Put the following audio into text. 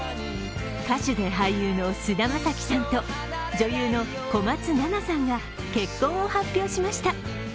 歌手で俳優の菅田将暉さんと女優の小松菜奈さんが結婚を発表しました。